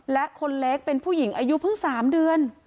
และคนเล็กเป็นผู้หญิงอายุเพิ่ง๓เดือน